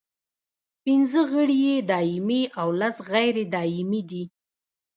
پنځه غړي یې دایمي او لس غیر دایمي دي.